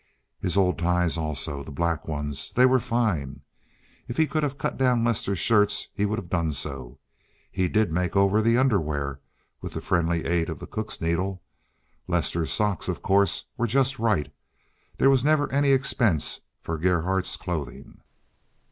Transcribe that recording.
His old ties also—the black ones—they were fine. If he could have cut down Lester's shirts he would have done so; he did make over the underwear, with the friendly aid of the cook's needle. Lester's socks, of course, were just right. There was never any expense for Gerhardt's clothing.